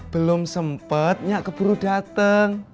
belum sempet nyak keburu dateng